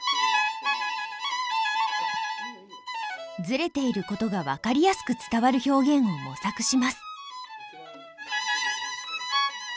ずれていることが分かりやすく伝わる表現を模索します。